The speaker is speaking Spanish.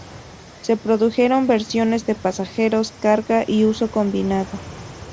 Se produjeron versiones de pasajeros, carga y uso combinado.